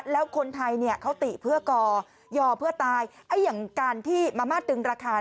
แล้วคนไทยเนี่ยเขาติเพื่อก่อยอเพื่อตายอย่างการที่มามาดึงราคา